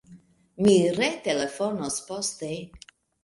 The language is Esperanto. Mi retelefonos poste.